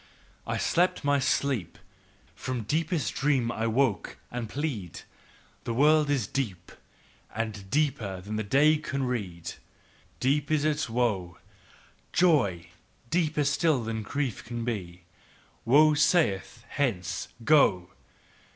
"I slept my sleep , "From deepest dream I've woke, and plead: "The world is deep, "And deeper than the day could read. "Deep is its woe , "Joy deeper still than grief can be: "Woe saith: Hence! Go!